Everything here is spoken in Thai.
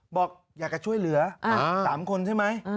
บอกอยากจะช่วยเหลือ๓คนใช่ไหม